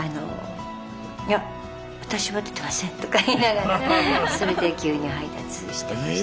「いや私は出てません」とか言いながらそれで牛乳配達してましたね。